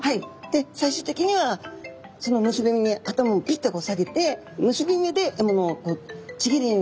で最終的にはその結び目に頭をびっとこう下げて結び目でへえ！